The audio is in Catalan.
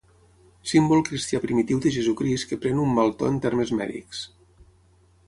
Símbol cristià primitiu de Jesucrist que pren un mal to en termes mèdics.